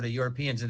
untuk orang eropa